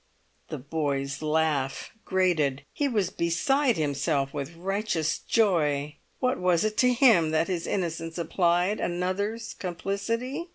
The boy's laugh grated; he was beside himself with righteous joy. What was it to him that his innocence implied another's complicity?